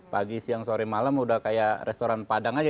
pagi siang sore malam udah kayak restoran padang aja